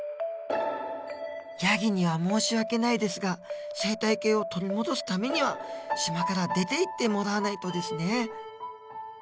ヤギには申し訳ないですが生態系を取り戻すためには島から出ていってもらわないとですね